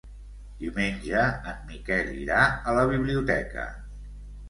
Diumenge en Miquel irà a la biblioteca.